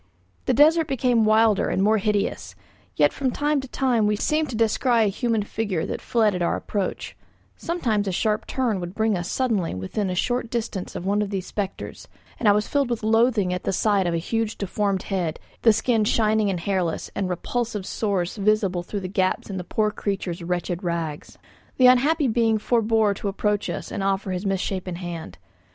The desert became wider and more hideous; yet from time to time we seemed to descry a human figure that fled at our approach, sometimes a sharp turn would bring us suddenly within a short distance of one of these spectres, and I was filled with loathing at the sight of a huge deformed head, the skin shining and hairless, and repulsive sores visible through the gaps in the poor creature's wretched rags. The unhappy being forbore to approach us and offer his misshapen hand.